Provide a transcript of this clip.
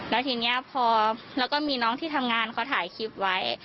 แล้วทีนี้พอแล้วก็มีน้องที่ทำงานเขาถ่ายคลิปไว้